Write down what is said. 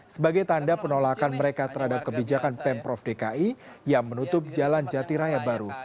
sebagai tanda penolakan mereka terhadap kebijakan pemprov dki yang menutup jalan jati raya baru